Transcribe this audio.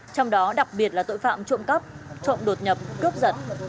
trong đó đặc biệt là tội phạm trộm cắp trộm đột nhập cướp giật